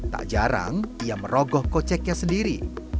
tak jarang ia merogoh koceknya sendiri